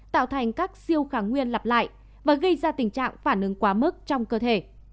tạo thành các siêu kháng nguyên lặp lại và gây ra tình trạng phản ứng quá mức trong cơ thể